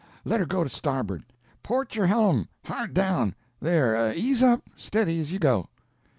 Let her go to starboard!—Port your hellum! Hard down! There—ease up—steady, as you go."